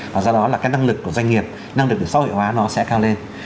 và do đó là cái năng lực của doanh nghiệp năng lực xã hội hóa nó sẽ cao lên